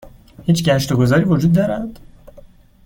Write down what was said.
هیچ گشت و گذاری وجود دارد؟